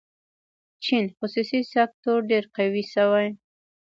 چین خصوصي سکتور ډېر قوي شوی.